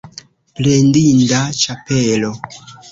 Plendinda ĉapelo!